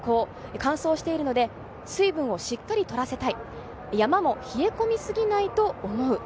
乾燥しているので水分をしっかり取らせたい、山も冷え込みすぎないと思う。